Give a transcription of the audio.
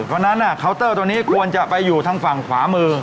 เคานเคาน์เตอร์ตัวนี้ควรจะไปอยู่ทางฝั่งขวามือ